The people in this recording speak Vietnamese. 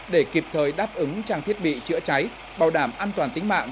để kịp thời đáp ứng trang thiết bị chữa cháy bảo đảm an toàn tính mạng